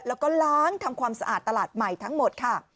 แล้วก็ล้างทำความสะอาดตลาดใหม่ทั้งหมดค่ะ